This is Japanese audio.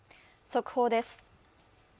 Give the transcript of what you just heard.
速報です。